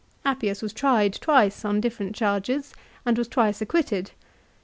Appius was tried twice on different charges, and was twice acquitted.